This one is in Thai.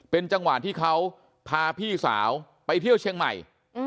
เป็นจังหวะที่เขาพาพี่สาวไปเที่ยวเชียงใหม่